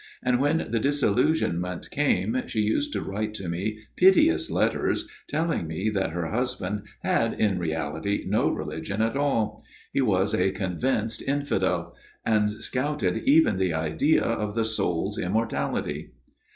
And when the disillusionment came she used to write to me piteous letters, telling me that her husband had in reality no religion at all. He was a convinced infidel ; and scouted even the idea of the soul's immortality.